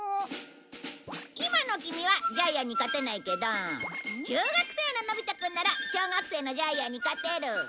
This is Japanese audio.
今のキミはジャイアンに勝てないけど中学生ののび太くんなら小学生のジャイアンに勝てる！